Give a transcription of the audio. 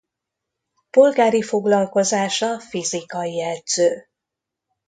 Polgári foglalkozása fizikai edző.